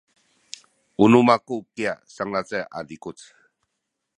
u nu maku kya sanglacay a zikuc.